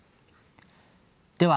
では